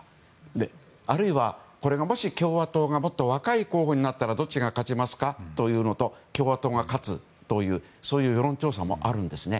あるいは、もし共和党がもっと若い候補になったらどっちが勝ちますか？というのだと共和党が勝つという世論調査もあるんですね。